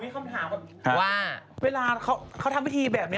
มีคำถามแบบว่าเวลาเขาทำพิธีแบบนี้